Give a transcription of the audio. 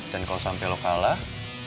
dan kalau sampai lo kalah